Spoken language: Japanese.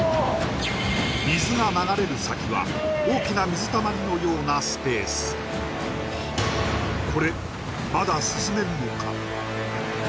水が流れる先は大きな水たまりのようなスペースこれまだ進めるのか？